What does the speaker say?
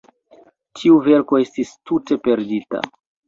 Tiu verko estis tute perdita!